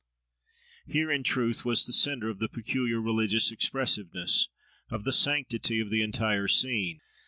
Here, in truth, was the centre of the peculiar religious expressiveness, of the sanctity, of the entire scene.